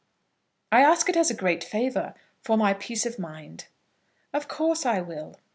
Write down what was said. "I ask it as a great favour, for my peace of mind." "Of course I will."